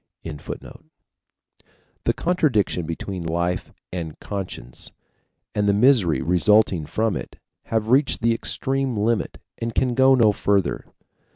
] The contradiction between life and conscience and the misery resulting from it have reached the extreme limit and can go no further.